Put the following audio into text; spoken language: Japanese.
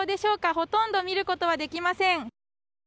ほとんど見ることはできません。